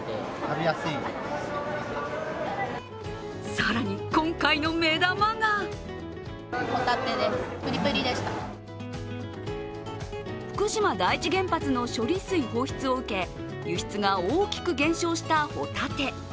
更に今回の目玉が福島第一原発の処理水放出を受け、輸出が大きく減少したホタテ。